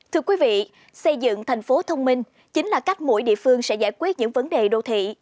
thưa quý vị xây dựng thành phố thông minh chính là cách mỗi địa phương sẽ giải quyết những vấn đề đô thị